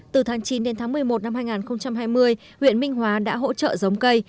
từ tháng chín đến tháng một mươi một năm hai nghìn hai mươi huyện minh hóa đã hỗ trợ giống cây